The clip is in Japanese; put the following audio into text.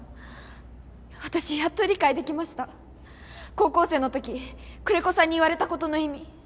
高校生の時久連木さんに言われた事の意味。